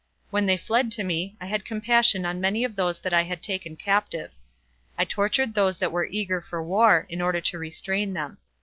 When they fled to me, I had compassion on many of those that I had taken captive; I tortured those that were eager for war, in order to restrain them.